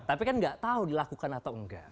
tapi kan nggak tahu dilakukan atau enggak